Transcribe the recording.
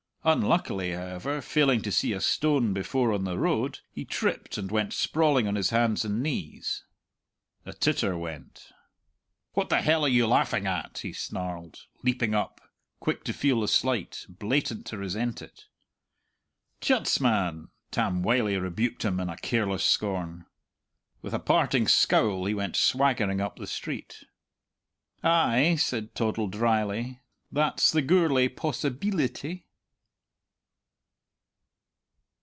Unluckily, however, failing to see a stone before on the road, he tripped, and went sprawling on his hands and knees. A titter went. "What the hell are you laughing at?" he snarled, leaping up, quick to feel the slight, blatant to resent it. "Tyuts, man," Tam Wylie rebuked him in a careless scorn. With a parting scowl he went swaggering up the street. "Ay," said Toddle dryly, "that's the Gourlay possibeelity."